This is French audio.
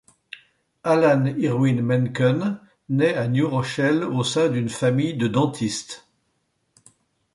Alan Irwin Menken naît à New Rochelle au sein d'une famille de dentistes.